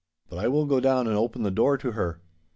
But I will go down and open the door to her.